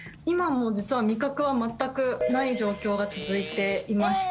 今も実は味覚は全くない状況が続いていまして。